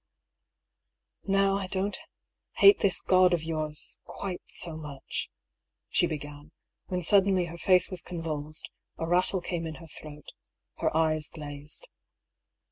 " Now I don't hate this God of yours quite so much," she began, when suddenly her face was convulsed, a rattle came in her throat, her eyes glazed.